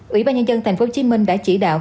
ủy ban nhân dân tp hcm đã chỉ đạo